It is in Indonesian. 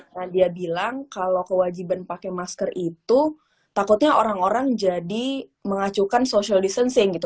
nah dia bilang kalau kewajiban pakai masker itu takutnya orang orang jadi mengacukan social distancing gitu